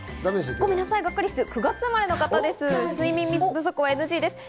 ごめんなさい、ガッカりすは９月生まれの方です。